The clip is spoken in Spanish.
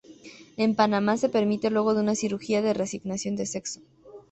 En Panamá, se permite luego de una cirugía de reasignación de sexo.